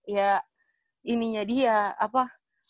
ya ininya dia apa